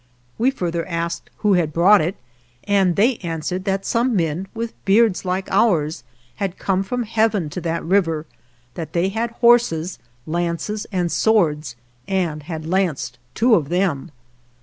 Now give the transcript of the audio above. We further asked who had brought it, and they answered that some men, with beards like ours, had come from Heaven to that river ; that they had horses, lances and swords, and had lanced two of them.